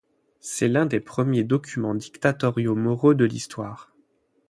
C'est l'un des premiers documents dictatoriaux moraux de l'histoire.